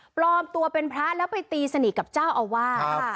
ปลอมตัวเป็นพระแล้วไปตีสนิทกับเจ้าอาวาส